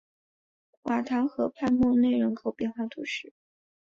瓦唐河畔默内人口变化图示